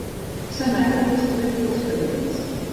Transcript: Sa mare li esclaria els cabells.